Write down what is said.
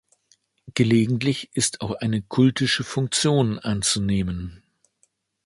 Gelegentlich ist auch eine kultische Funktion anzunehmen.